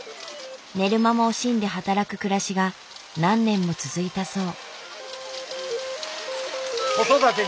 寝る間も惜しんで働く暮らしが何年も続いたそう。